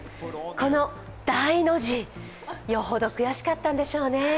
この大の字、よほど悔しかったんでしょうね。